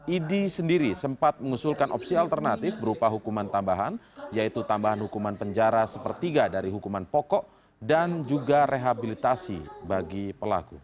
idi sendiri sempat mengusulkan opsi alternatif berupa hukuman tambahan yaitu tambahan hukuman penjara sepertiga dari hukuman pokok dan juga rehabilitasi bagi pelaku